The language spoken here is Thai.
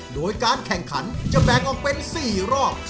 โดยการแข่งขันจะแบ่งออกเป็น๔รอบ